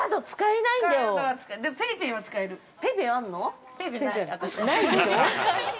◆ないんでしょう。